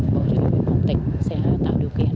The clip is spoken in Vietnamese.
bộ chủ tịch sẽ tạo điều kiện